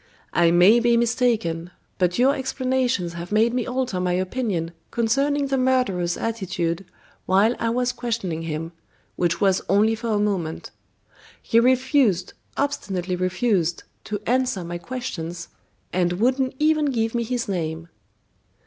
"I may be mistaken; but your explanations have made me alter my opinion concerning the murderer's attitude while I was questioning him (which was only for a moment). He refused, obstinately refused, to answer my questions, and wouldn't even give me his name."